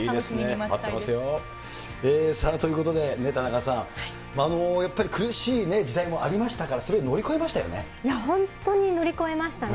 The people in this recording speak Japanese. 待ってますよ。ということで田中さん、やっぱり苦しい時代もありましたから、それを乗り越えましたよね。